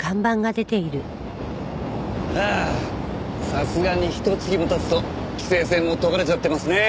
さすがにひと月も経つと規制線も解かれちゃってますね。